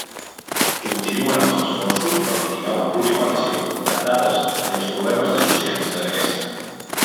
Continuen els esforços per mitigar la proliferació de dades i els problemes associats a aquesta.